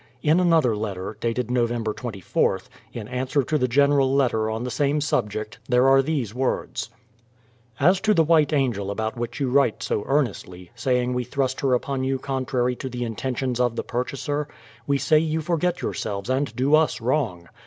In another letter, dated Nov. 24th, in answer to the general letter on the same sub ject, there are these words: As to the White Angel about which you write so earnestly, saying we thrust her upon you contrary to the intentions of the purchaser, we say you forget yourselves and do us wrong.